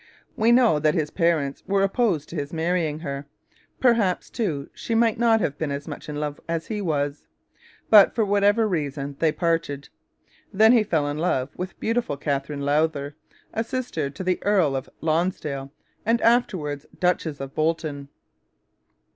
We know that his parents were opposed to his marrying her. Perhaps, too, she may not have been as much in love as he was. But, for whatever reason, they parted. Then he fell in love with beautiful Katherine Lowther, a sister to the Earl of Lonsdale and afterwards Duchess of Bolton.